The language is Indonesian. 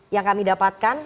yang kami dapatkan